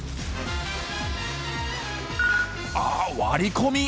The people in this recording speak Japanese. あっ割り込み！